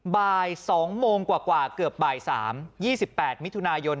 บ่ายสองโมงกว่าเกือบบ่ายสามยี่สิบแปดมิถุนายน